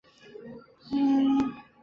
蒂廷格是德国巴伐利亚州的一个市镇。